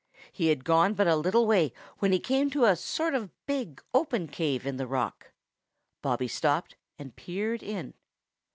He had gone but a little way when he came to a sort of big open cave in the rock. Bobby stopped and peered in.